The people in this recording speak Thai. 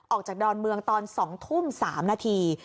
ออกจากดอนเมืองตอน๒ทุ่ม๓นาที